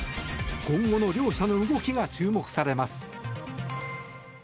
今後の両者の動きが注目されます。